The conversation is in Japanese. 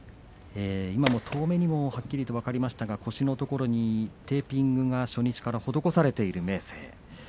遠目にもはっきりと分かりましたが腰のところにテーピングが初日から施されています。